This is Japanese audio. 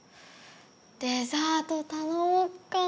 デザートたのもっかな。